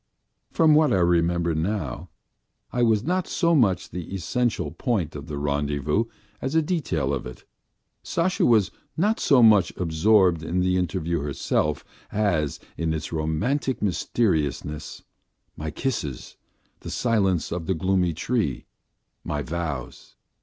From what I remember now, I was not so much the essential point of the rendezvous as a detail of it. Sasha was not so much absorbed in the interview itself as in its romantic mysteriousness, my kisses, the silence of the gloomy trees, my vows.